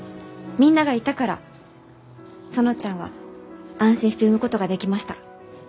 みんながいたから園ちゃんは安心して産むことができました。